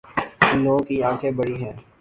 اِن لوگوں کی آنکھیں بڑی ہیں